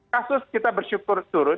kasus kita bersyukur turun